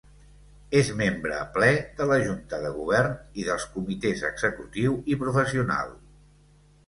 És membre ple de la Junta de Govern i dels Comitès Executiu i Professional.